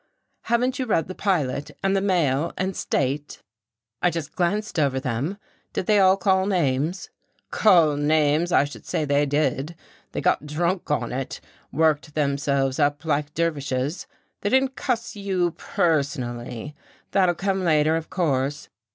"Haven't you read the Pilot and the Mail and State?" "I just glanced over them. Did they call names?" "Call names! I should say they did. They got drunk on it, worked themselves up like dervishes. They didn't cuss you personally, that'll come later, of course.